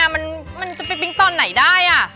มันจะเป็นตอนไหนได้